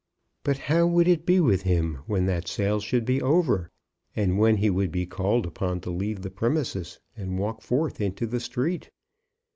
But how would it be with him when that sale should be over, and when he would be called upon to leave the premises and walk forth into the street?